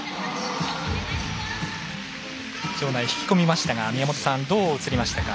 場内引き込みましたが宮本さん、どう映りましたか？